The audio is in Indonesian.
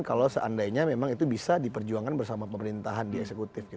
kalau seandainya memang itu bisa diperjuangkan bersama pemerintahan di eksekutif